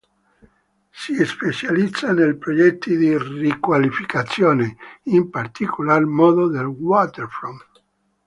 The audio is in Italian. Si specializza nei progetti di riqualificazione, in particolar modo dei "waterfront".